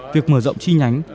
việc mở rộng chi nhánh